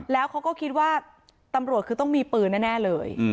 แล้วเขาก็คิดว่าตำรวจคือต้องมีปืนแน่เลย